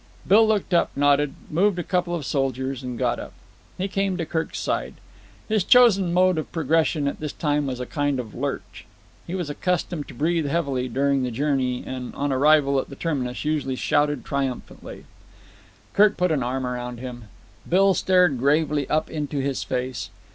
Bill looked up, nodded, moved a couple of soldiers, and got up. He came to Kirk's side. His chosen mode of progression at this time was a kind of lurch. He was accustomed to breathe heavily during the journey, and on arrival at the terminus usually shouted triumphantly. Kirk put an arm round him. Bill stared gravely up into his face.